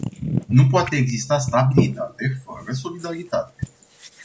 Nu poate exista stabilitate fără solidaritate.